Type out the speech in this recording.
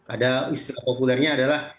ada istilah populernya adalah